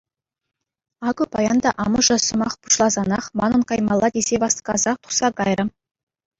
Акӑ паян та амӑшӗ сӑмах пуҫласанах манӑн каймалла тесе васкасах тухса кайрӗ.